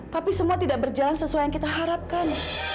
tapi semua tidak berjalan sesuai yang kita harapkan